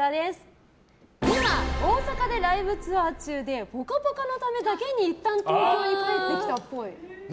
今、大阪でライブツアー中で「ぽかぽか」のためだけにいったん東京に帰ってきたっぽい。